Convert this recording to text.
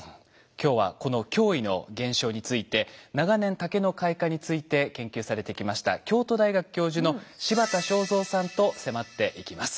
今日はこの驚異の現象について長年竹の開花について研究されてきました京都大学教授の柴田昌三さんと迫っていきます。